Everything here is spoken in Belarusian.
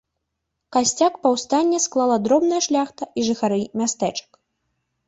Касцяк паўстання склала дробная шляхта і жыхары мястэчак.